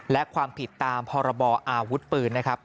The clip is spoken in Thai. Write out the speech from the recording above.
และความผิดตามพรบอาวุธปืนนะครับ